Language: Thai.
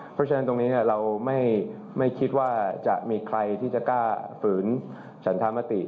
เพราะฉะนั้นตรงนี้เราไม่คิดว่าจะมีใครที่จะกล้าฝืนฉันธรรมติ